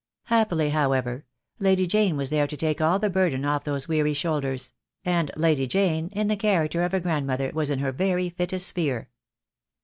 Happily, however, Lady Jane was there to take all the burden off those weary shoulders; and Lady Jane in the character of a grandmother was in her very fittest sphere.